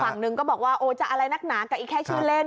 ฝั่งหนึ่งก็บอกว่าโอ้จะอะไรนักหนากับอีกแค่ชื่อเล่น